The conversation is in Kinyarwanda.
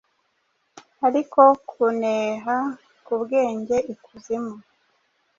Ariko kuneha kubwenge ikuzimu